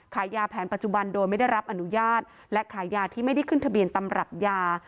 ขายยาแผนปัจจุบันโดยไม่ได้รับอนุญาตและขายยาที่ไม่ได้ขึ้นทะเบียนตำรับยา